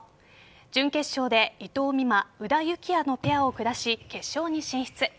準決勝で伊藤美誠宇田幸矢のペアを下し決勝に進出。